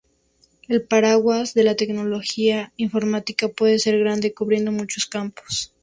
El paraguas de la tecnología informática puede ser grande, cubriendo muchos campos.